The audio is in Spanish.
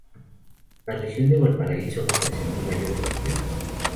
La Región de Valparaíso no presentó mayores sorpresas.